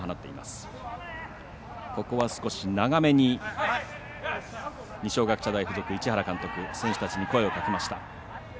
ここは少し長めに二松学舎大付属市原監督選手たちに声をかけました。